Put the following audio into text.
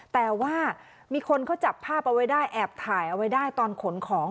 แต่ว่ามีคนเขาจับภาพเอาไว้ได้แอบถ่ายเอาไว้ได้ตอนขนของ